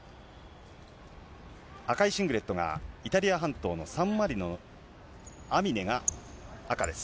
赤いシングレットが、イタリア半島のサンマリノのアミネが赤です。